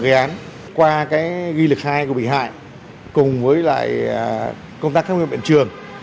các đối tượng gây án qua ghi lực khai của bị hại cùng với công tác khám nghiệp hiện trường